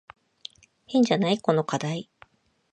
変じゃない？この課題。